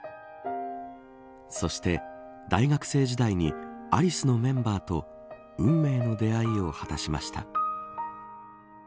そして、大学生時代にアリスのメンバーと運命の出会いを果たしました。